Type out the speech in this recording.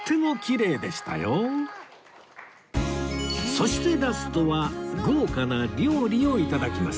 そしてラストは豪華な料理を頂きます